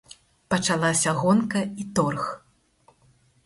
Пачалася гонка і торг.